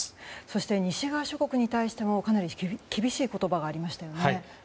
そして西側諸国に対しても厳しい言葉がありましたよね。